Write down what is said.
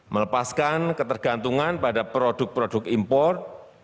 melepaskan ketergantungan pada produk produk impor